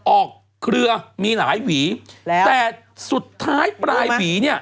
ออกเครือมีหลายหวีแต่สุดท้ายปลายหวี